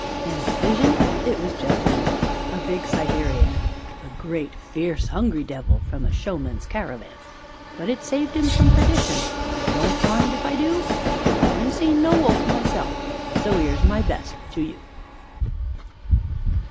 And the vision it was just a wolf, a big Siberian, A great, fierce, 'ungry devil from a show man's caravan, But it saved 'im from perdition and I don't mind if I do, I 'aven't seen no wolf myself so 'ere's my best to you!